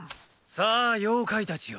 さぁ妖怪たちよ